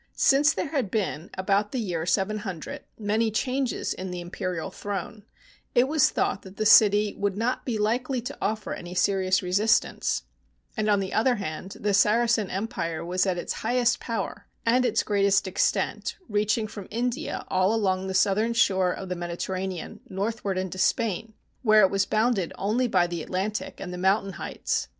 Since there had been, about the year 700, many changes on the Imperial throne, it was thought that the city would not be likely to offer CONSTANTINOPLE any serious resistance; and, on the other hand, the Saracen empire was at its highest power and its greatest extent, reaching from India all along the southern shore of the Mediterranean northward into Spain, where it was bounded only by the Atlantic and the mountain heights.